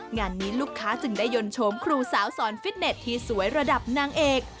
งานนี้ลูกค้าจึงได้ยนต์โฉมครูสาวสอนฟิตเน็ตที่สวยระดับนางเอก